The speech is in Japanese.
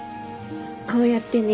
こうやってね